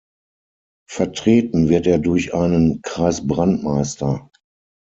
Vertreten wird er durch einen Kreisbrandmeister.